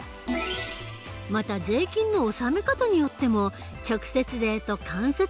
また税金の納め方によっても直接税と間接税がある。